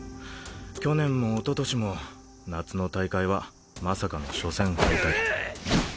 去年も一昨年も夏の大会はまさかの初戦敗退。